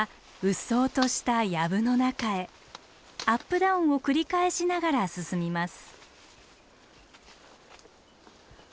アップダウンを繰り返しながら進みます。